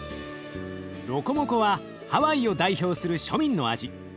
ロコモコはハワイを代表する庶民の味。